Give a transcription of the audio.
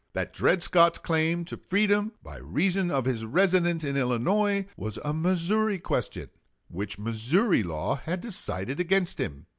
That Dred Scott's claim to freedom by reason of his residence in Illinois was a Missouri question, which Missouri law had decided against him.